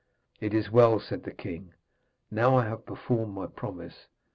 'It is well,' said the king. 'Now have I performed my promise.